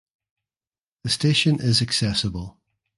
The station is accessible.